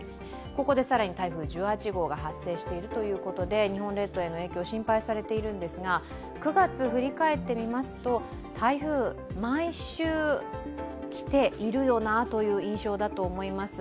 ここで更に台風１８号が発生しているということで日本列島への影響、心配されているんですが９月を振り返ってみますと、台風が毎週来ている印象だと思います。